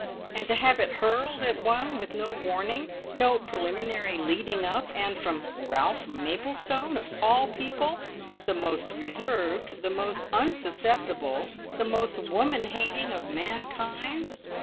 And to have it hurled at one with no warning, no preliminary "leading up," and from Ralph Maplestone of all people the most reserved, the most unsusceptible, the most woman hating of mankind!